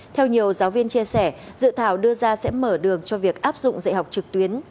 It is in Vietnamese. theo nhiều giáo viên chia sẻ dự thảo đưa ra sẽ mở đường cho việc áp dụng dạy học trực tuyến